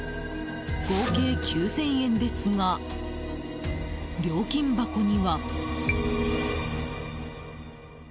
合計９０００円ですが料金箱には。